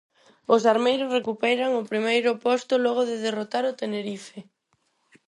Os armeiros recuperan o primeiro posto logo de derrotar o Tenerife.